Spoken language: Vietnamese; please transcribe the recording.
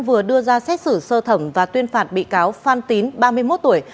vừa đưa ra xét xử sơ thẩm và tuyên phạt bị cáo phan tín ba mươi một tuổi